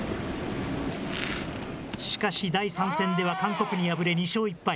しかし、第３戦では韓国に敗れ、２勝１敗。